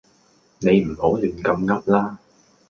你唔好亂咁噏啦